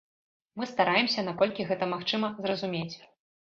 Мы стараемся, наколькі гэта магчыма, зразумець.